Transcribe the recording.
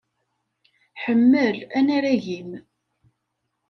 Ḥemmel anarag-im!